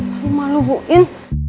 aku malu bu in